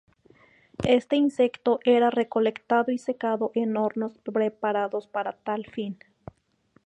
Este insecto era recolectado y secado en hornos preparados para tal fin.